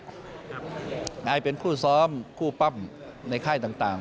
ได้เป็นผู้ซ้อมผู้ปั้มในค่ายต่าง